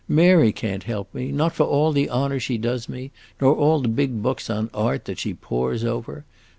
Mary can't help me not for all the honor she does me, nor all the big books on art that she pores over.